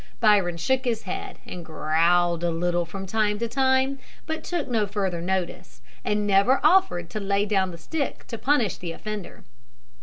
Byron shook his head, and growled a little from time to time, but took no further notice, and never offered to lay down the stick to punish the offender.